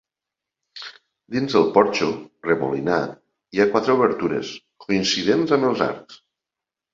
Dins el porxo, remolinat, hi ha quatre obertures, coincidents amb els arcs.